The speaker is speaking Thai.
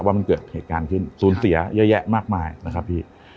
ว่ามันเกิดเหตุการณ์ขึ้นสูญเสียเยอะแยะมากมายนะครับพี่